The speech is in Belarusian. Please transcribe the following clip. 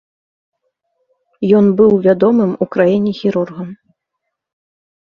Ён быў вядомым у краіне хірургам.